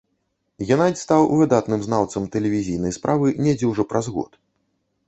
Генадзь стаў выдатным знаўцам тэлевізійнай справы недзе ўжо праз год.